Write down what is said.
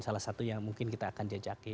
salah satu yang mungkin kita akan jajaki